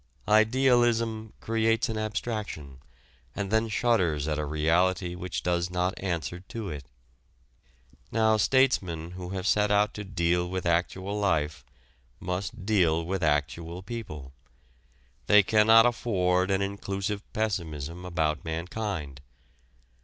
"Idealism" creates an abstraction and then shudders at a reality which does not answer to it. Now statesmen who have set out to deal with actual life must deal with actual people. They cannot afford an inclusive pessimism about mankind.